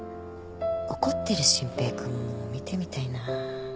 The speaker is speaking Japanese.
怒ってる真平君も見てみたいな。